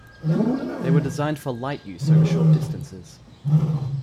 They were designed for light use over short distances.